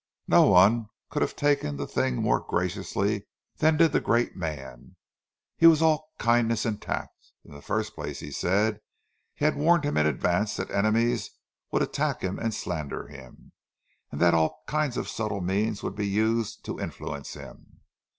No one could have taken the thing more graciously than did the great man; he was all kindness and tact. In the first place, he said, he had warned him in advance that enemies would attack him and slander him, and that all kinds of subtle means would be used to influence him.